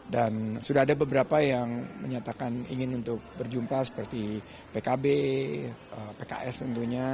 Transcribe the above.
dan sudah ada beberapa yang menyatakan ingin untuk berjumpa seperti pkb pks tentunya